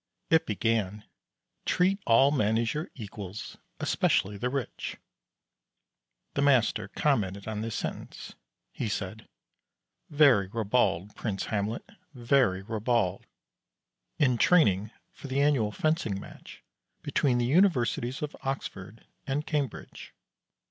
It began: "Treat all men as your equals, especially the rich." The Master commented on this sentence. He said, "Very ribald, Prince Hamlet, very ribald." In training for the annual fencing match between the Universities of Oxford and Cambridge.